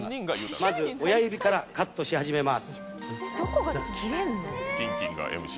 まず親指からカットし始めます。